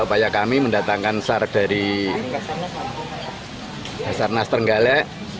upaya kami mendatangkan sar dari dasar nas tenggale